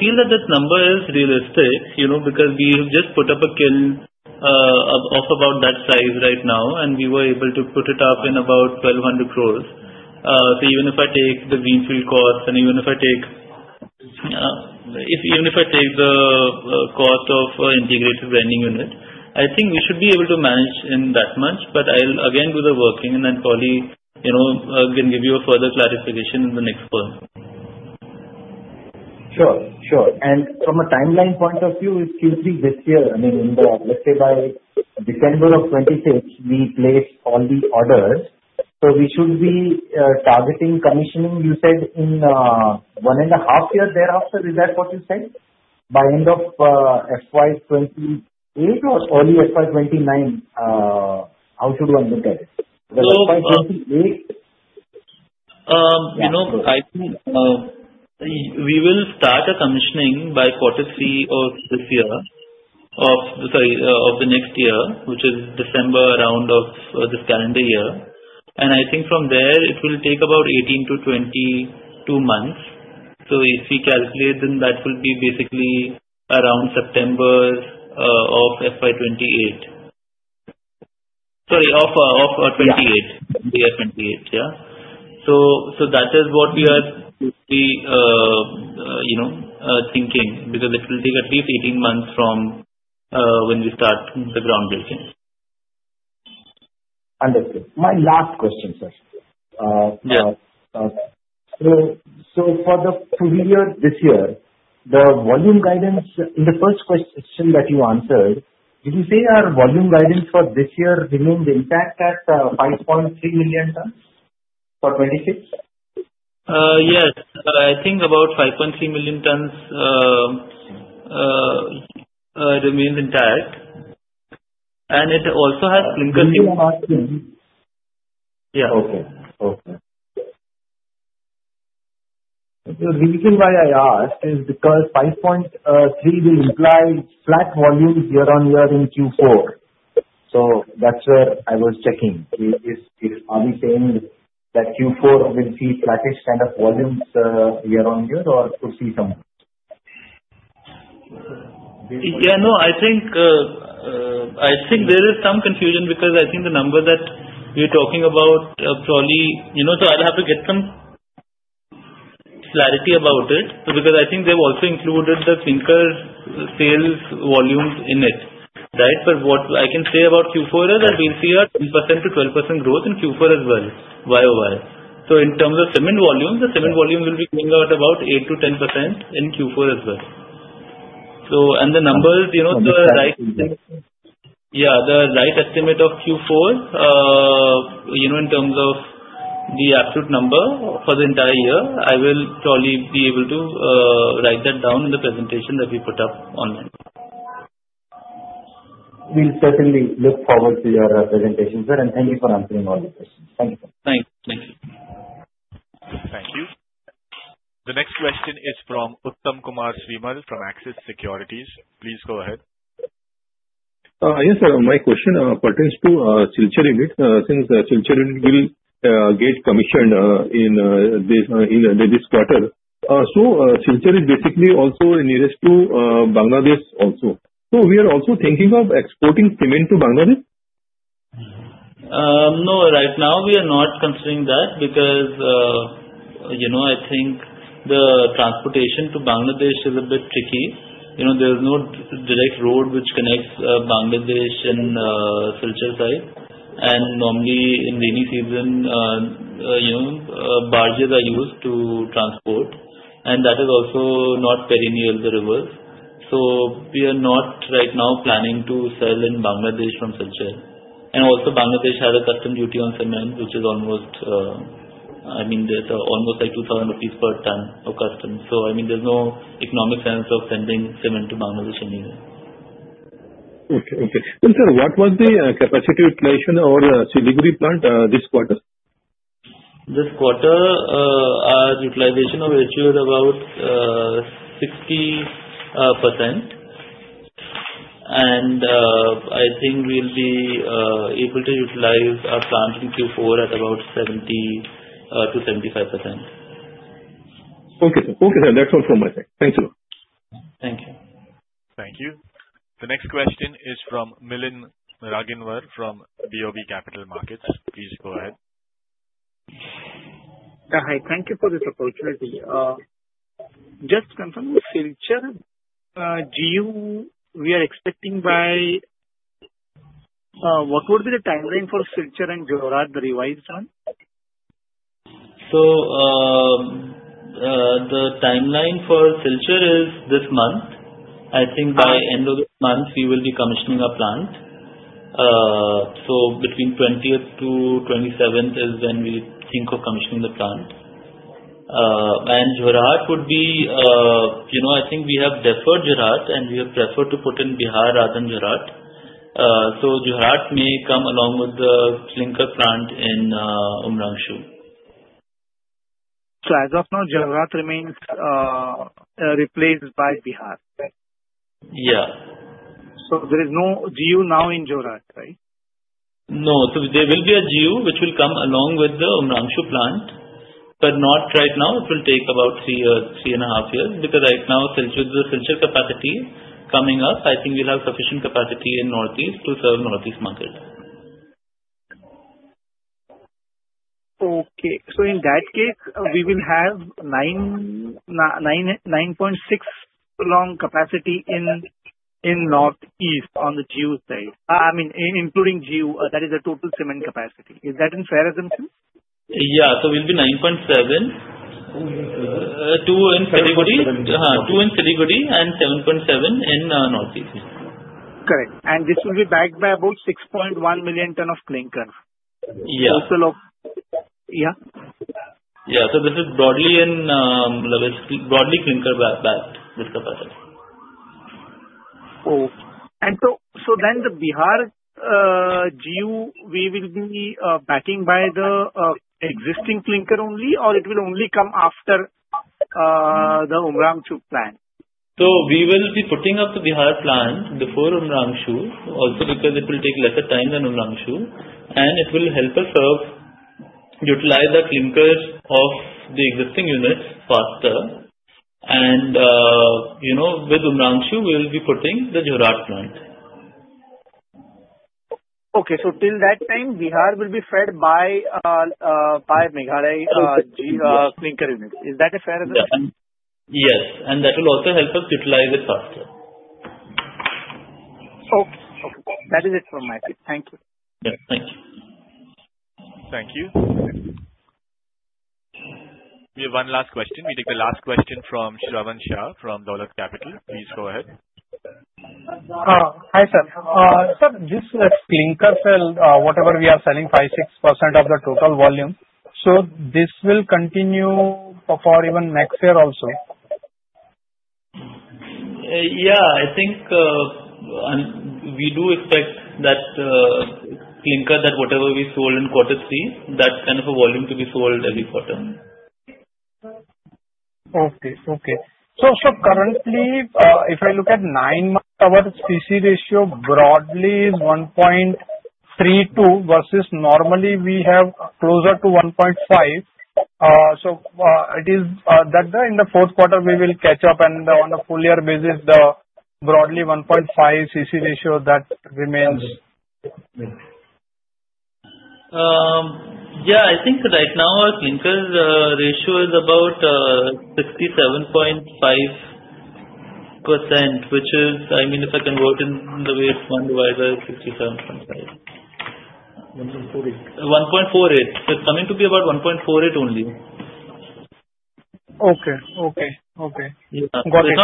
feel that this number is realistic because we have just put up a kiln of about that size right now, and we were able to put it up in about 1,200 crore. So even if I take the greenfield cost and even if I take the cost of integrated grinding unit, I think we should be able to manage in that much. But I'll again do the working, and then probably I can give you a further clarification in the next call. Sure. Sure. From a timeline point of view, is Q3 this year? I mean, let's say by December of 2026, we place all the orders. So we should be targeting commissioning, you said, in one and a half year thereafter. Is that what you said? By end of FY28 or early FY29, how should one look at it? Because FY28. So I think we will start commissioning by quarter three of this year—sorry, of the next year, which is around December of this calendar year. And I think from there, it will take about 18-22 months. So if we calculate, then that will be basically around September of FY2028. Sorry, of 2028. The year 2028. Yeah? So that is what we are thinking because it will take at least 18 months from when we start the groundbreaking. Understood. My last question, sir. So for the previous year this year, the volume guidance in the first question that you answered, did you say our volume guidance for this year remains intact at 5.3 million tons for 2026? Yes. I think about 5.3 million tons remains intact. And it also has clinker. The reason why I asked is because 5.3 will imply flat volume year-on-year in Q4. So that's where I was checking if are we saying that Q4 will see flattened kind of volumes year-on-year or could see some? Yeah. No. I think there is some confusion because I think the number that we're talking about probably so I'll have to get some clarity about it because I think they've also included the clinker sales volume in it, right? But what I can say about Q4 is that we'll see a 10%-12% growth in Q4 as well year-over-year. So in terms of cement volume, the cement volume will be coming out about 8%-10% in Q4 as well. And the numbers, the right. The estimate. Yeah. The right estimate of Q4 in terms of the absolute number for the entire year, I will probably be able to write that down in the presentation that we put up online. We'll certainly look forward to your presentation, sir. Thank you for answering all the questions. Thank you, sir. Thanks. Thank you. Thank you. The next question is from Uttam Kumar Srimal from Axis Securities. Please go ahead. Yes, sir. My question pertains to Silchar unit since Silchar unit will get commissioned in this quarter. So Silchar is basically also nearest to Bangladesh also. So we are also thinking of exporting cement to Bangladesh? No. Right now, we are not considering that because I think the transportation to Bangladesh is a bit tricky. There is no direct road which connects Bangladesh and Silchar side. And normally, in rainy season, barges are used to transport. And that is also not perennial, the rivers. So we are not right now planning to sell in Bangladesh from Silchar. And also, Bangladesh has a customs duty on cement, which is almost I mean, there's almost like 2,000 rupees per ton of customs. So I mean, there's no economic sense of sending cement to Bangladesh anywhere. Okay. Okay. And, sir, what was the capacity utilization of Siliguri plant this quarter? This quarter, our utilization of GU is about 60%. I think we'll be able to utilize our plant in Q4 at about 70%-75%. Okay. Okay, sir. That's all from my side. Thank you. Thank you. Thank you. The next question is from Milind Raginwar from BOB Capital Markets. Please go ahead. Hi. Thank you for this opportunity. Just confirm, Silchar, we are expecting by what would be the timeline for Silchar and Jorhat, the revised one? So the timeline for Silchar is this month. I think by end of this month, we will be commissioning our plant. So between 20th to 27th is when we think of commissioning the plant. And Jorhat would be I think we have deferred Jorhat, and we have preferred to put in Bihar rather than Jorhat. So Jorhat may come along with the clinker plant in Umrangso. As of now, Jorhat remains replaced by Bihar? Yeah. So there is no GU now in Jorhat, right? No. So there will be a GU which will come along with the Umrangso plant. But not right now. It will take about 3 years, 3.5 years because right now, with the Silchar capacity coming up, I think we'll have sufficient capacity in Northeast to serve Northeast market. Okay. So in that case, we will have 9.6 million capacity in Northeast on the GU side, I mean, including GU. That is the total cement capacity. Is that a fair assumption? Yeah. So it will be 9.7 million. Oh, yes. Is that? 2 in Siliguri. 7.7. Yeah. 2 in Siliguri and 7.7 in Northeast. Correct. And this will be backed by about 6.1 million tons of Clinker. Yeah. Total of yeah? Yeah. So this is broadly clinker backed, this capacity. Oh. And so then the Bihar GU, we will be backing by the existing clinker only, or it will only come after the Umrangso plant? So we will be putting up the Bihar plant before Umrangso also because it will take lesser time than Umrangso. And it will help us utilize the clinkers of the existing units faster. And with Umrangso, we'll be putting the Jorhat plant. Okay. So till that time, Bihar will be fed by Meghalaya clinker units. Is that a fair assumption? Yes. That will also help us utilize it faster. Okay. Okay. That is it from my side. Thank you. Yeah. Thank you. Thank you. We have one last question. We take the last question from Shravan Shah from Dolat Capital. Please go ahead. Hi, sir. Sir, this clinker sale, whatever we are selling, 5%-6% of the total volume. So this will continue for even next year also? Yeah. I think we do expect that clinker, that whatever we sold in quarter three, that kind of a volume to be sold every quarter. Okay. So currently, if I look at nine-month, our CC ratio broadly is 1.32 versus normally, we have closer to 1.5. So it is that in the fourth quarter, we will catch up. And on a full-year basis, broadly, 1.5 CC ratio, that remains. Yeah. I think right now, our Clinker ratio is about 67.5%, which is I mean, if I convert in the way it's 1 divided by 67.5. 1.48. So it's coming to be about 1.48 only. Okay. Okay. Okay. Got it. It's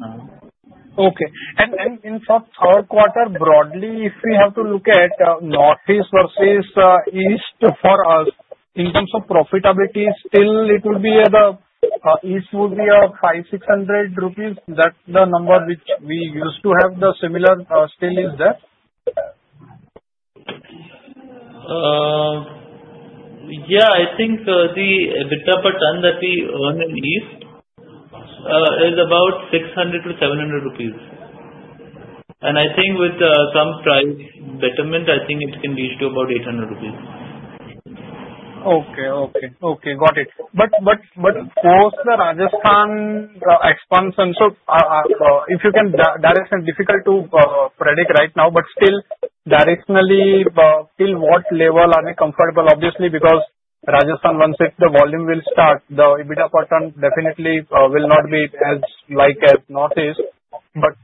not 1.5. Okay. In sort of third quarter, broadly, if we have to look at Northeast versus East for us in terms of profitability, still, it will be at the East would be INR 500-INR 600. That's the number which we used to have. The similar still is there? Yeah. I think the per ton that we earn in East is about 600-700 rupees. And I think with some price betterment, I think it can reach to about 800 rupees. Okay. Got it. But of course, the Rajasthan expansion, so if you can, that is difficult to predict right now. But still, directionally, till what level are we comfortable? Obviously, because Rajasthan, once the volume will start, the EBITDA per ton definitely will not be as high as the Northeast. But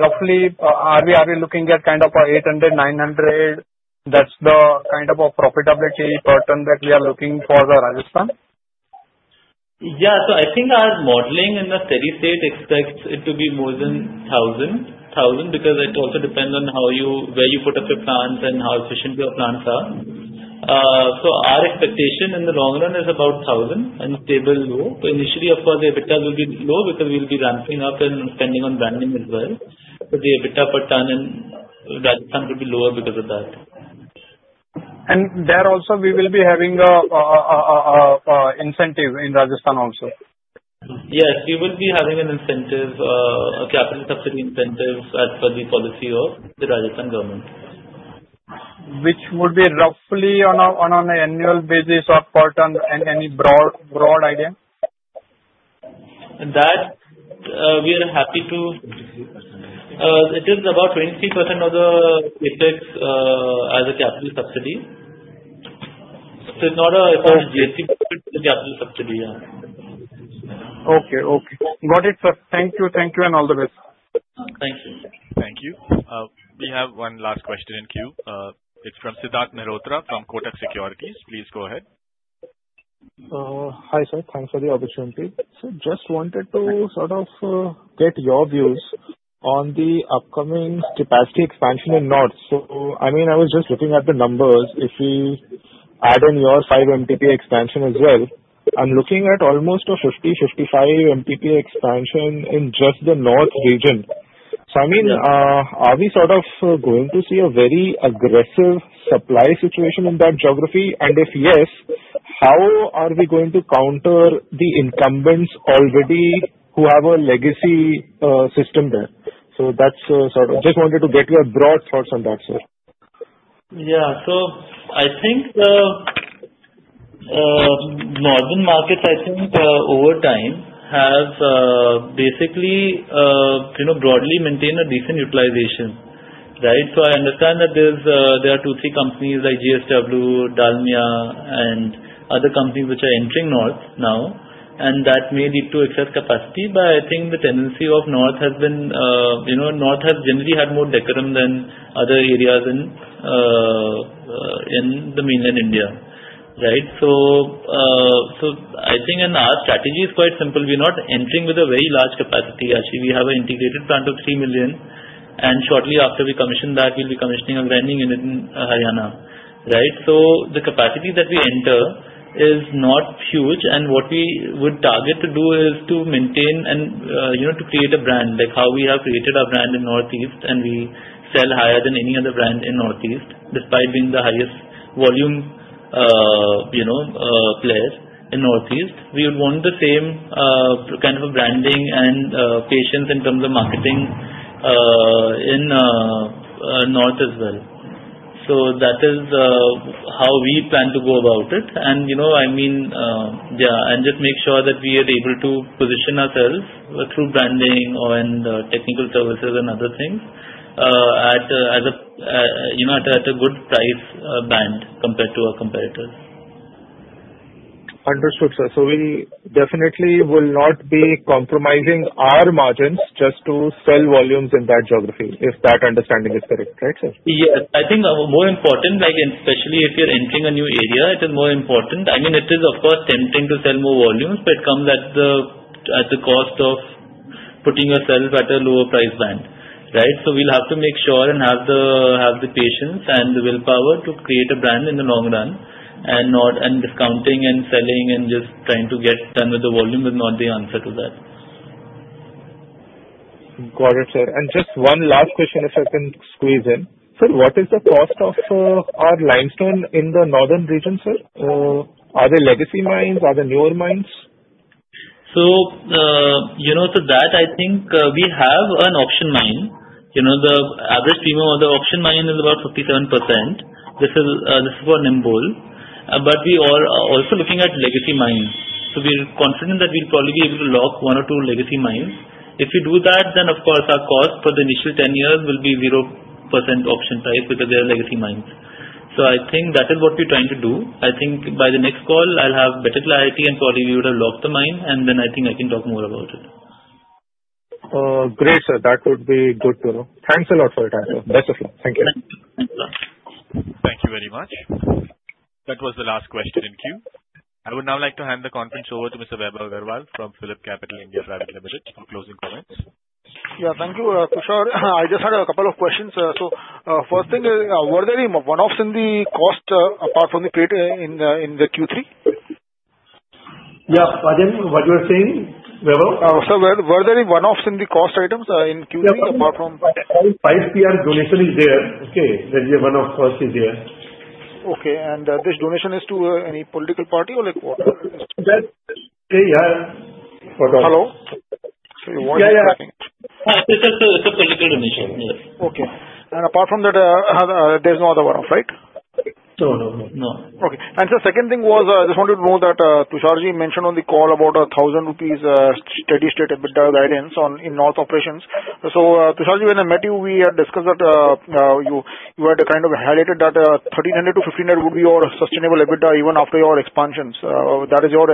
roughly, are we looking at kind of 800-900? That's the kind of profitability per ton that we are looking for Rajasthan. Yeah. So I think our modeling in the steady state expects it to be more than 1,000 because it also depends on where you put up your plants and how efficient your plants are. So our expectation in the long run is about 1,000 and sustainable. Initially, of course, the EBITDA will be low because we'll be ramping up and spending on branding as well. So the EBITDA per ton in Rajasthan would be lower because of that. There also, we will be having an incentive in Rajasthan also? Yes. We will be having an incentive, a capital subsidy incentive as per the policy of the Rajasthan government. Which would be roughly on an annual basis or per ton? Any broad idea? That we are happy to. 23%. It is about 23% of the CapEx as a capital subsidy. So it's not a GST benefit. It's a capital subsidy. Yeah. Okay. Okay. Got it, sir. Thank you. Thank you, and all the best. Thank you. Thank you. We have one last question in queue. It's from Siddharth Mehrotra from Kotak Securities. Please go ahead. Hi, sir. Thanks for the opportunity. Sir, just wanted to sort of get your views on the upcoming capacity expansion in North. So I mean, I was just looking at the numbers. If we add in your 5 MTPA expansion as well, I'm looking at almost a 50-55 MTPA expansion in just the North region. So I mean, are we sort of going to see a very aggressive supply situation in that geography? And if yes, how are we going to counter the incumbents already who have a legacy system there? So that's sort of just wanted to get your broad thoughts on that, sir. Yeah. So I think the northern markets, I think over time, have basically broadly maintained a decent utilization, right? So I understand that there are two, three companies like JSW, Dalmia, and other companies which are entering North now. And that may lead to excess capacity. But I think the tendency of North has been has generally had more decorum than other areas in the mainland India, right? So I think our strategy is quite simple. We're not entering with a very large capacity, actually. We have an integrated plant of 3 million. And shortly after we commission that, we'll be commissioning a grinding unit in Haryana, right? So the capacity that we enter is not huge. And what we would target to do is to maintain and to create a brand like how we have created our brand in Northeast. And we sell higher than any other brand in Northeast despite being the highest volume player in Northeast. We would want the same kind of a branding and patience in terms of marketing in North as well. So that is how we plan to go about it. And I mean, yeah, and just make sure that we are able to position ourselves through branding and technical services and other things as a good price band compared to our competitors. Understood, sir. So we definitely will not be compromising our margins just to sell volumes in that geography if that understanding is correct, right, sir? Yes. I think more important, especially if you're entering a new area, it is more important. I mean, it is, of course, tempting to sell more volumes, but it comes at the cost of putting yourself at a lower price band, right? So we'll have to make sure and have the patience and the willpower to create a brand in the long run and discounting and selling and just trying to get done with the volume is not the answer to that. Got it, sir. Just one last question if I can squeeze in. Sir, what is the cost of our limestone in the northern region, sir? Are they legacy mines? Are they newer mines? So to that, I think we have an auction mine. The average premium of the auction mine is about 57%. This is for Nimbol. But we are also looking at legacy mines. So we're confident that we'll probably be able to lock one or two legacy mines. If we do that, then, of course, our cost for the initial 10 years will be 0% premium because they are legacy mines. So I think that is what we're trying to do. I think by the next call, I'll have better clarity, and probably we would have locked the mine. And then I think I can talk more about it. Great, sir. That would be good to know. Thanks a lot for your time, sir. Best of luck. Thank you. Thank you. Thank you very much. That was the last question in queue. I would now like to hand the conference over to Mr. Vaibhav Agarwal from PhillipCapital India Pvt Ltd for closing comments. Yeah. Thank you, Tushar. I just had a couple of questions. So first thing is, were there any one-offs in the cost apart from the credit in the Q3? Yeah. What you were saying, Vaibhav? Sir, were there any one-offs in the cost items in Q3 apart from? 5 Cr donation is there. Okay? The one-off cost is there. Okay. This donation is to any political party or what? Okay. Yeah. What else? Hello? Yeah. Yeah. It's a political donation. Yeah. Okay. Apart from that, there's no other one-off, right? No, no, no. No. Okay. And sir, second thing was I just wanted to know that Tusharji mentioned on the call about an 1,000 rupees steady state EBITDA guidance in North operations. So Tusharji, when I met you, we had discussed that you had kind of highlighted that 1,300-1,500 would be your sustainable EBITDA even after your expansions. That is your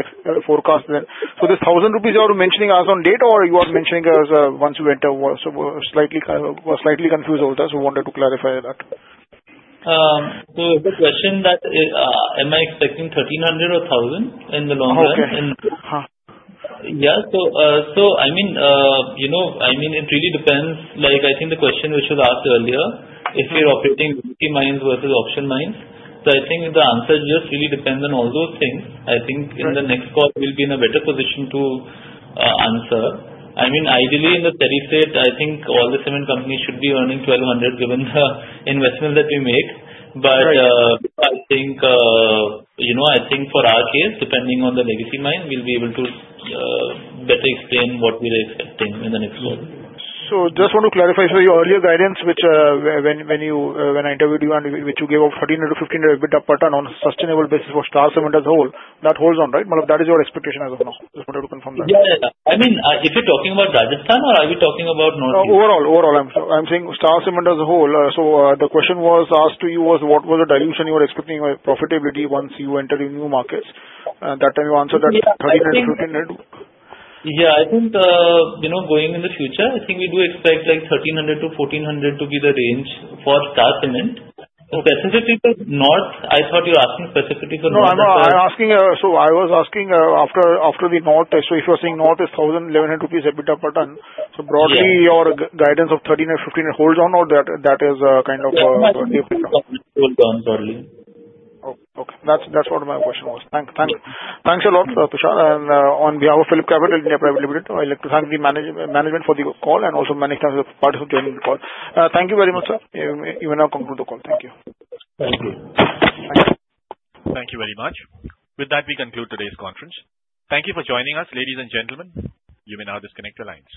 forecast then. So this 1,000 rupees, you are mentioning as on date, or you are mentioning as once you enter? So I was slightly confused over that, so wanted to clarify that. The question is, am I expecting 1,300 or 1,000 in the long run? Okay. Yeah. So I mean, I mean, it really depends. I think the question which was asked earlier, if you're operating legacy mines versus auction mines, so I think the answer just really depends on all those things. I think in the next call, we'll be in a better position to answer. I mean, ideally, in the steady state, I think all the cement companies should be earning 1,200 given the investment that we make. But I think for our case, depending on the legacy mine, we'll be able to better explain what we are expecting in the next call. Just want to clarify, sir, your earlier guidance which when I interviewed you and which you gave of 1,300-1,500 EBITDA per ton on a sustainable basis for Star Cement as a whole, that holds on, right? That is your expectation as of now. Just wanted to confirm that. Yeah. Yeah. Yeah. I mean, if you're talking about Rajasthan, or are we talking about Northeast? I'm saying Star Cement as a whole. So the question was asked to you was what was the dilution you were expecting profitability once you enter in new markets. At that time, you answered that 1,300-1,500. Yeah. I think going in the future, I think we do expect 1,300-1,500 to be the range for Star Cement. Specifically for North, I thought you were asking specifically for North, but. No, no. So I was asking after the North. So if you're saying North is INR 1,100 EBITDA per ton, so broadly, your guidance of 1,300-1,400 holds on, or that is kind of a tapering down? Holds on broadly. Okay. That's what my question was. Thanks. Thanks a lot, Tushar. And on behalf of PhillipCapital (India) Private Limited, I'd like to thank the management for the call and also management as a part of joining the call. Thank you very much, sir. You may now conclude the call. Thank you. Thank you. Thank you. Thank you very much. With that, we conclude today's conference. Thank you for joining us, ladies and gentlemen. You may now disconnect your lines.